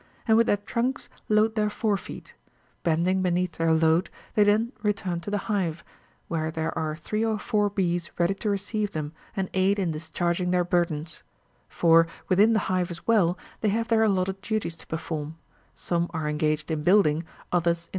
9 their fore feet : bending beneath their load, they then return to the hive, where there are three or four bees ready to receive them and aid in discharging their burdens. For, within the hive as well, they have their allotted duties to perform : some are engaged in building, others in.